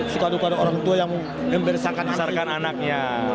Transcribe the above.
suka duka orang tua yang membersakansarkan anaknya